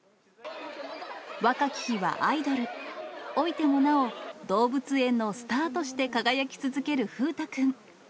若き日はアイドル、老いてもなお、動物園のスターとして輝き続ける風太君。